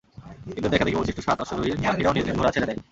এদের দেখাদেখি অবশিষ্ট সাত অশ্বারোহীর বাকীরাও নিজ নিজ ঘোড়া ছেড়ে দেয়।